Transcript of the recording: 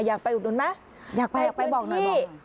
อยากไปอุดหนุนไหมอยากไปอยากไปบอกหน่อยบอก